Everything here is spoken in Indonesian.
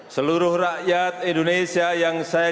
seluruh rakyat indonesia yang saya cintai